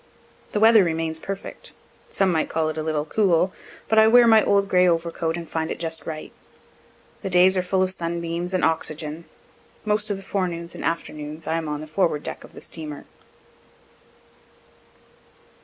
The weather remains perfect; some might call it a little cool, but I wear my old gray overcoat and find it just right. The days are full of sunbeams and oxygen. Most of the forenoons and afternoons I am on the forward deck of the steamer.